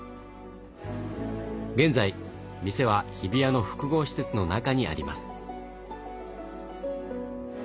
現在店は日比谷の複合施設の中にあります。